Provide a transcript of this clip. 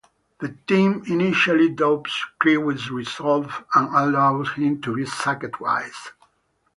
The team initially doubts Crewe's resolve and allows him to be sacked twice.